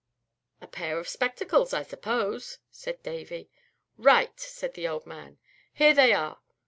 "A pair of spectacles, I suppose," said Davy. "Right!" said the old man. "Here they are."